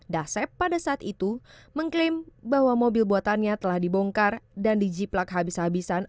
dasep pada saat itu mengklaim bahwa mobil buatannya telah dibongkar dan dijiplak habis habisan